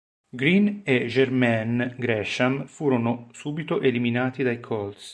Green e Jermaine Gresham, che furono subito eliminati dai Colts.